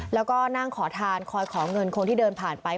แล้วก็นั่งขอทานคอยขอเงินคนที่เดินผ่านไป